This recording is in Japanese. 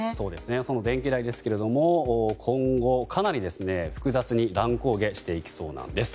その電気代ですが今後、かなり複雑に乱高下していきそうなんです。